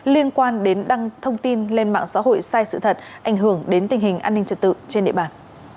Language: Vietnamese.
liên quan đến đăng thông tin lên mạng xã hội sai sự thật ảnh hưởng đến tình hình an ninh trật tự trên địa bàn